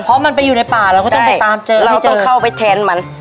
เพราะมันไปอยู่ในป่าเราก็ต้องไปตามเจอให้เจอเราต้องเข้าไปแทนมัน